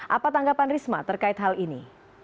apa tanggapan risma terkait hal ini